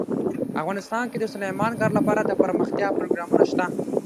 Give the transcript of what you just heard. افغانستان کې د سلیمان غر لپاره دپرمختیا پروګرامونه شته.